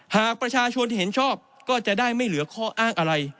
หากประชาชนที่เห็นชอบก็จะได้ไม่เหลือข้ออ้างอะไร